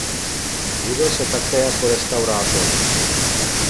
Živil se také jako restaurátor.